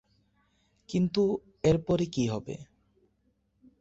কিন্তু এর পরে কী হবে?